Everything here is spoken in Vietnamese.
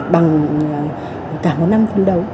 bằng cả một năm phần đầu